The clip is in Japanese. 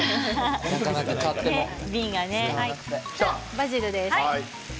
バジルです。